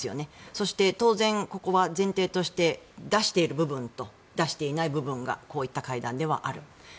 そして、当然、ここは前提として出している部分と出していない部分がこういった会談ではある。